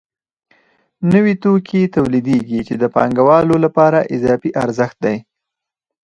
نوي توکي تولیدېږي چې د پانګوالو لپاره اضافي ارزښت دی